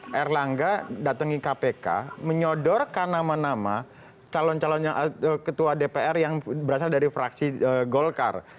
karena datangnya kpk menyodorkan nama nama calon calon ketua dpr yang berasal dari fraksi golkar